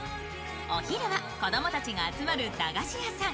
お昼は子供たちが集まる駄菓子屋さん